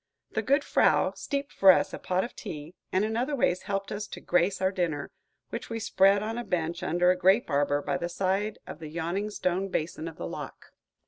The good frau steeped for us a pot of tea, and in other ways helped us to grace our dinner, which we spread on a bench under a grape arbor, by the side of the yawning stone basin of the lock.